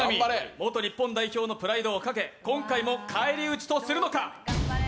元日本代表のプライドをかけ、今回も返り討ちとするのか。